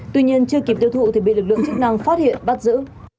tuy nhiên chưa kịp tiêu thụ thì bị lực lượng chức năng phát hiện bắt giữ